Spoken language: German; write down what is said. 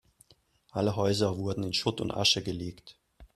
Alle Häuser wurden in Schutt und Asche gelegt.